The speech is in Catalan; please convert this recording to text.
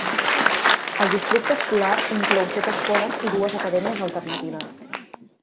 El districte escolar inclou set escoles i dues acadèmies alternatives.